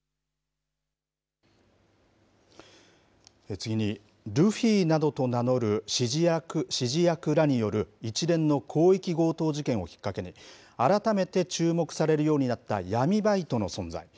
次に、ルフィなどと名乗る指示役らによる一連の広域強盗事件をきっかけに、改めて注目されるようになった闇バイトの存在。